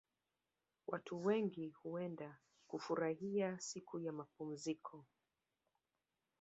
Watu wengi huenda kufurahia siku za mapumziko